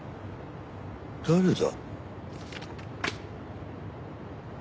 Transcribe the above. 誰だ？